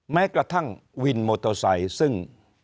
แม้กระทั่งวินโมโตไซค์ซึ่ง